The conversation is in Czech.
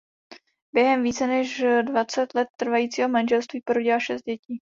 Během více než dvacet let trvajícího manželství porodila šest dětí.